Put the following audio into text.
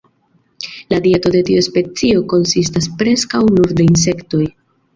La dieto de tiu specio konsistas preskaŭ nur de insektoj.